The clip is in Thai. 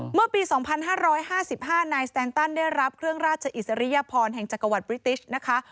เมื่อปี๒๕๕๕นายสแตนตันได้รับเครื่องราชอิสริยพรแห่งจักรวรรดปริติชนะคะ